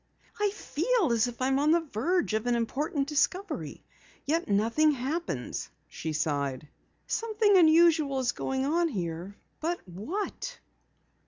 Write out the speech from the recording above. "I feel as if I'm on the verge of an important discovery, yet nothing happens," she sighed. "Something unusual is going on here, but what?"